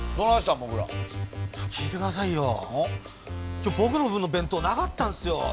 今日僕の分の弁当なかったんすよ。